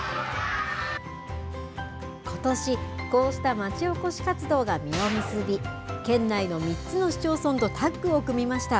ことし、こうしたまちおこし活動が実を結び、県内の３つの市町村とタッグを組みました。